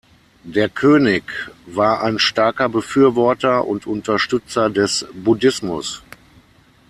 Der König war ein starker Befürworter und Unterstützer des Buddhismus.